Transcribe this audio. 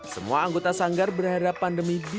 semua anggota sanggar berhasil berkumpul